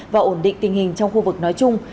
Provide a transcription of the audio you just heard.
và ổn định tình hình trong khu vực nói chung